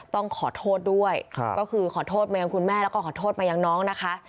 ต้องขอโทษด้วยก็คือขอโทษมายังคุณแม่แล้วก็ขอโทษมายังน้องนะคะ